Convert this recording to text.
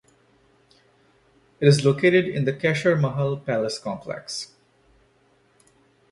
It is located in the Keshar Mahal palace complex.